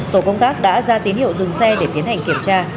tổ công tác đã ra tín hiệu dừng xe để tiến hành kiểm tra